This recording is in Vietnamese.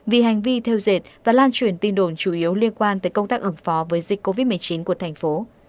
vì hành vi theo dệt và lan truyền tin đồn chủ yếu liên quan tới công tác ứng phó với dịch covid một mươi chín của thành phố